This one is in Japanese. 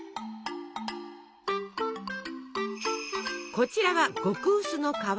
こちらは極薄の皮。